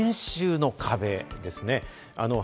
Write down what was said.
年収の壁ですね。